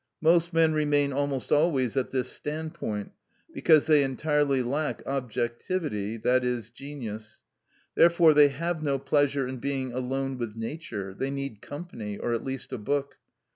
Most men remain almost always at this standpoint because they entirely lack objectivity, i.e., genius. Therefore they have no pleasure in being alone with nature; they need company, or at least a book.